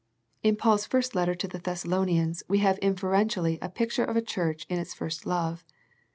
In Paul's first letter to the Thessalonians we have inferentially a picture of a church in its first love.